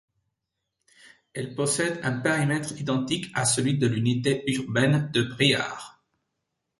Elle possède un périmètre identique à celui de l’unité urbaine de Briare.